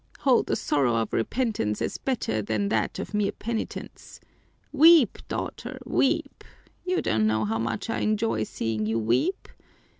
Hold the sorrow of repentance as better than that of mere penitence. Weep, daughter, weep! You don't know how much I enjoy seeing you weep.